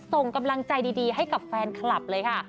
ส่งกำลังใจดีให้กับแฟนคลับเลยค่ะ